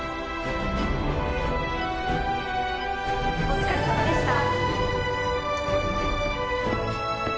お疲れさまでした。